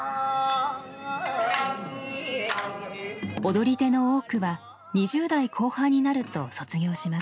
踊り手の多くは２０代後半になると卒業します。